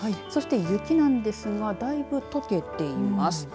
そして、雪なんですがだいぶとけています。